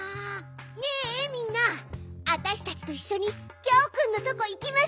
ねえみんなわたしたちといっしょにギャオくんのとこいきましょうよ。